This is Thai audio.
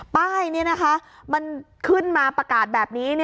ป้ายนี่นะคะมันขึ้นมาประกาศแบบนี้